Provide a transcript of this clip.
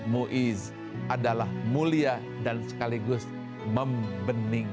mu'izz adalah mulia dan sekaligus membeningkan